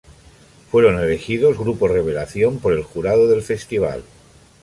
Fueron elegidos Grupo Revelación por el jurado del festival.